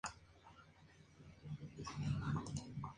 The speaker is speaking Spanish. Este museo fue promovido por la cofradía de la buena mesa de la mar.